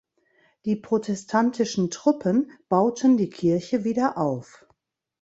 Die protestantischen Truppen bauten die Kirche wieder auf.